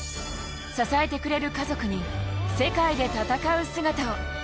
支えてくれる家族に世界で戦う姿を。